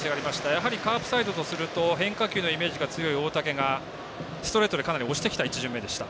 やはりカープサイドとすると変化球のイメージが強い大竹がストレートでかなり押してきた１巡目でした。